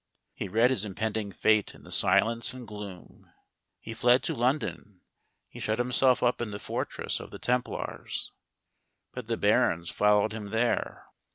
He read his impending fate in the silence and gloom. He fled to London. He shut himself up in the fortress of the Templars. But the barons followed him there.